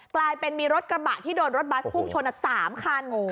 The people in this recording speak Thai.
กลายเป็นมีรถกระบะที่โดนรถบัสพุ่งชน๓คัน